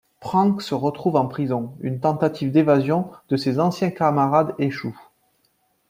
Prank se retrouve en prison, une tentative d'évasion de ses anciens camarades échoue.